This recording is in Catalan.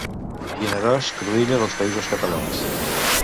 Vinaròs, cruïlla dels Països Catalans.